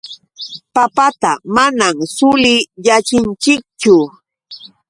Papata manam suliyachinchikchu.